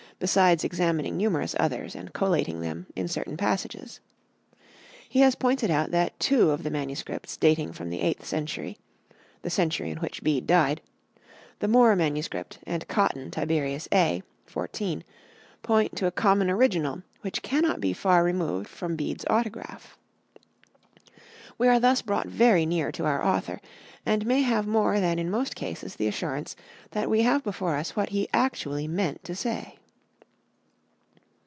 besides examining numerous others and collating them in certain passages. He has pointed out that two of the MSS. dating from the eighth century (the century in which Bede died), the Moore MS. and Cotton, Tiberius A, xiv, point to a common original which cannot be far removed from Bede's autograph. We are thus brought very near to our author, and may have more than in most cases the assurance that we have before us what he actually meant to say.